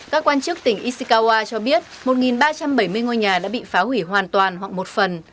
các quan chức tỉnh ishikawa cho biết một ba trăm bảy mươi ngôi nhà đã bị phá hủy hoàn toàn hoặc một phần